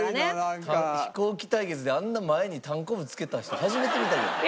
紙飛行機対決であんな前にたんこぶ付けた人初めて見た。